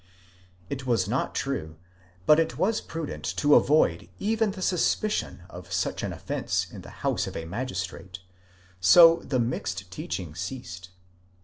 It was not true, but it was prudent to avoid even the suspicion of such an offence in the house of a magistrate ; so the mixed teaching ceased.